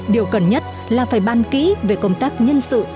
điều cần nhất là phải ban kỹ về công tác nhân sự